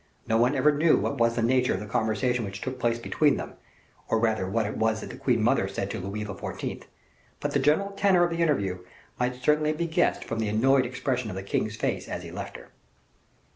No one ever knew what was the nature of the conversation which took place between them, or rather what it was that the queen mother said to Louis XIV.; but the general tenor of the interview might certainly be guessed from the annoyed expression of the king's face as he left her.